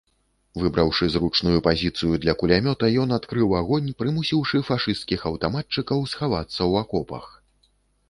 Выбраўшы зручную пазіцыю для кулямёта, ён адкрыў агонь, прымусіўшы фашысцкіх аўтаматчыкаў схавацца ў акопах.